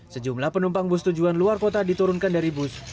sejumlah penumpang bus tujuan luar kota diturunkan dari bus